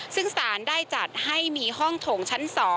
ซึ่งสารได้จัดให้มีห้องโถงชั้น๒